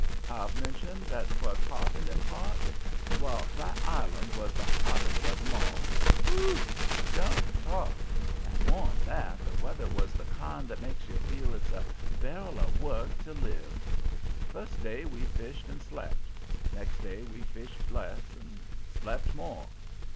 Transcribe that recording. "I've mentioned that 'twas hot in them parts? Well, that island was the hottest of 'em all. Whew! Don't talk! And, more'n that, the weather was the kind that makes you feel it's a barrel of work to live. First day we fished and slept. Next day we fished less and slept more.